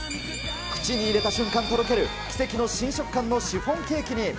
口に入れた瞬間とろける奇跡の新食感のシフォンケーキに。